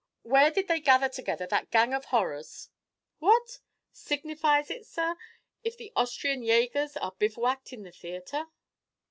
Where did they gather together that gang of horrors?" "What? signifies it, sir, if the Austrian Jagers are bivouacked in the theatre?"